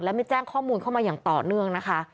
และไม่แจ้งข้อมูลเข้ามาอย่างต่อเนื่องนะคะ